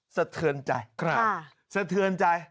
สะเทือนใจสะเทือนใจ